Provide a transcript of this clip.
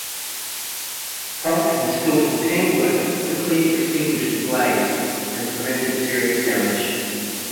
Prompt and skillful teamwork quickly extinguished the blaze and prevented serious damage.